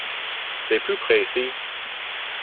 C’est plus précis.